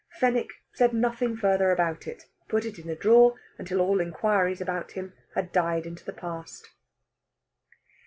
Fenwick said nothing further about it; put it in a drawer until all inquiries about him had died into the past.